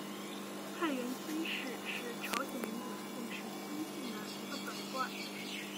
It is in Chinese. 太原金氏是朝鲜民族的姓氏金姓的一个本贯。